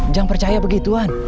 jangan percaya begituan